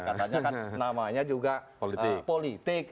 katanya kan namanya juga politik